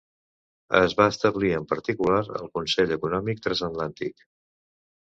Es va establir, en particular, el Consell Econòmic Transatlàntic.